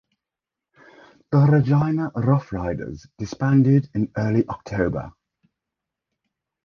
The Regina Roughriders disbanded in early October.